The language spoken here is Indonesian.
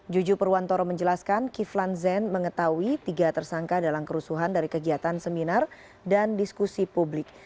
juju perwantoro menjelaskan kiflan zen mengetahui tiga tersangka dalam kerusuhan dari kegiatan seminar dan diskusi publik